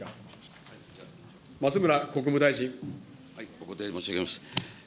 お答え申し上げます。